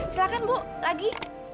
silahkan bu lagi